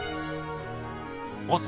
ボス